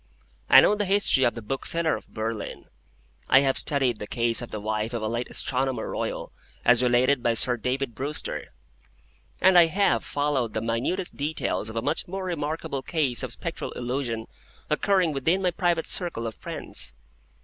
I know the history of the Bookseller of Berlin, I have studied the case of the wife of a late Astronomer Royal as related by Sir David Brewster, and I have followed the minutest details of a much more remarkable case of Spectral Illusion occurring within my private circle of friends.